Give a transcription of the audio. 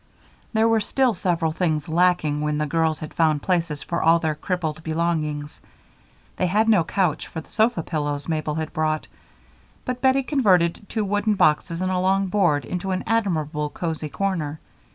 There were still several things lacking when the children had found places for all their crippled belongings. They had no couch for the sofa pillows Mabel had brought, but Bettie converted two wooden boxes and a long board into an admirable cozy corner.